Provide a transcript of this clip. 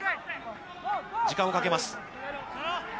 時間をかけます。